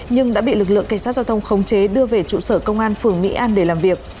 nhưng đã bị lực lượng cảnh sát giao thông khống chế đưa về trụ sở công an phường mỹ an để làm việc